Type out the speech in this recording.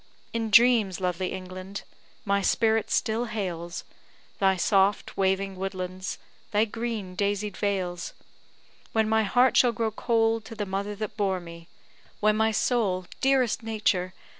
In dreams, lovely England! my spirit still hails Thy soft waving woodlands, thy green, daisied vales. When my heart shall grow cold to the mother that bore me, When my soul, dearest Nature!